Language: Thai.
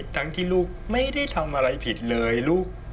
ทั้งที่ลูกไม่ได้ทำอะไรผิดเลยลูก